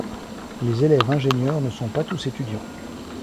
Les élèves-ingénieurs ne sont pas tous étudiants.